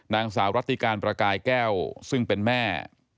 นางสาวรัติการประกายแก้วซึ่งเป็นแม่